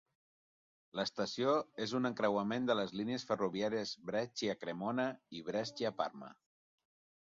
L'estació és un encreuament de les línies ferroviàries Brescia-Cremona i Brescia-Parma.